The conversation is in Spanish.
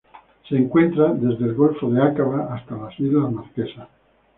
Se encuentra desde el Golfo de Aqaba hasta las Islas Marquesas.